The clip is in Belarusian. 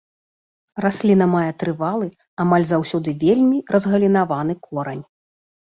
Расліна мае трывалы, амаль заўсёды вельмі разгалінаваны корань.